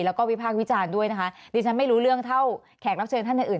แล้วก็วิพากษ์วิจารณ์ด้วยนะคะดิฉันไม่รู้เรื่องเท่าแขกรับเชิญท่านอื่น